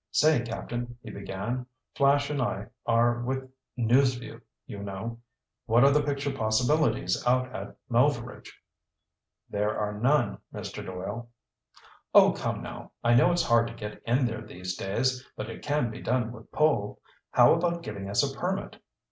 "Say, Captain," he began, "Flash and I are with News Vue, you know. What are the picture possibilities out at Melveredge?" "There are none, Mr. Doyle." "Oh, come now, I know it's hard to get in there these days, but it can be done with pull. How about giving us a permit?"